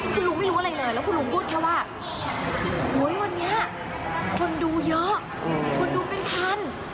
คุณลุงไม่รู้อะไรเลยแล้วคุณลุงพูดแค่ว่าวันนี้คนดูเยอะคนดูเป็นพัน